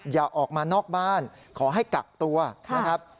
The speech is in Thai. อย่าออกมานอกบ้านขอให้กักตัวนะครับ